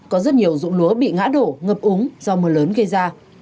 có rất nhiều dụng lúa bị ngã đổ ngập úng do mưa lớn gây ra